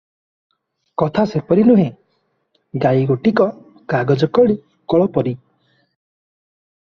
କଥା ସେପରି ନୁହେଁ, ଗାଈ ଗୋଟିକ କାଗଜକଳପରି ।